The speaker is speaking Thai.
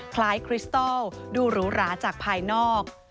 คริสตอลดูหรูหราจากภายนอก